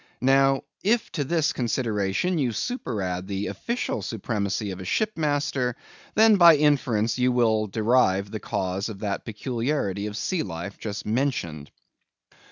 Now, if to this consideration you superadd the official supremacy of a ship master, then, by inference, you will derive the cause of that peculiarity of sea life just mentioned.